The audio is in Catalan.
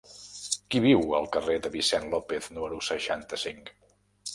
Qui viu al carrer de Vicent López número seixanta-cinc?